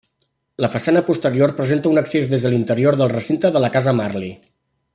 La façana posterior presenta un accés des de l'interior del recinte de la casa Marly.